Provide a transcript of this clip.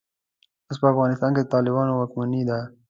اوس په افغانستان کې د طالبانو واکمني ده.